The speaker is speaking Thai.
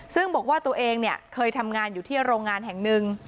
ซึ่งบอกว่าตัวเองเนี่ยเคยทำงานอยู่ที่โรงงานแห่งหนึ่ง